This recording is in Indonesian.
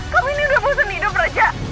kamu ini udah bosan hidup raja